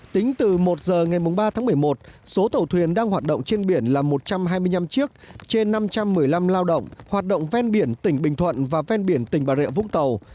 tính từ một giờ ngày ba tháng một mươi một số tàu thuyền đang hoạt động trên biển là một trăm hai mươi năm chiếc trên năm trăm một mươi năm lao động hoạt động ven biển tỉnh bình thuận và ven biển tỉnh bà rịa vũng tàu